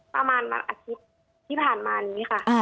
ประมาณวันอาทิตย์ที่ผ่านมานี้ค่ะ